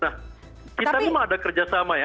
nah kita memang ada kerjasama ya